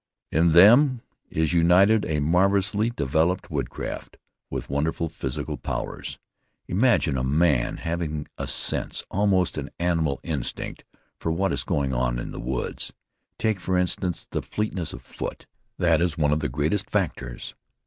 "In them is united a marvelously developed woodcraft, with wonderful physical powers. Imagine a man having a sense, almost an animal instinct, for what is going on in the woods. Take for instance the fleetness of foot. That is one of the greatest factors.